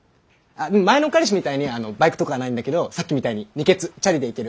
前の彼氏みたいにあのバイクとかはないんだけどさっきみたいに２ケツチャリで行ける。